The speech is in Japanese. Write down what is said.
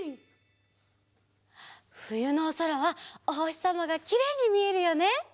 ふゆのおそらはおほしさまがきれいにみえるよね。